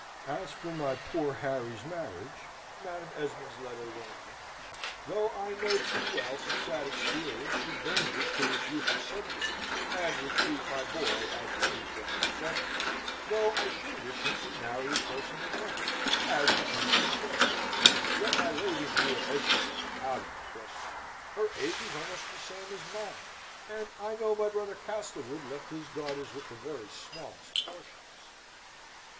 "As for my poor Harry's marriage," Madam Esmond's letter went on, "though I know too well, from sad experience, the dangers to which youth is subject, and would keep my boy, at any price, from them, though I should wish him to marry a person of rank, as becomes his birth, yet my Lady Maria Esmond is out of the question. Her age is almost the same as mine; and I know my brother Castlewood left his daughters with the very smallest portions.